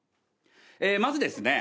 まずですね